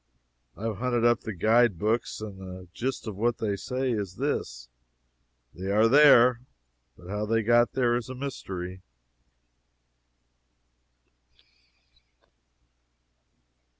I have hunted up the guide books, and the gist of what they say is this: "They are there, but how they got there is a mystery."